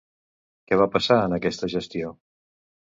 Què va passar en aquesta gestió?